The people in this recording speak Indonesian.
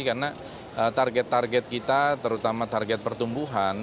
karena target target kita terutama target pertumbuhan